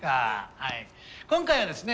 はい今回はですね